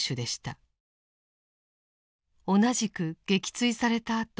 同じく撃墜されたあと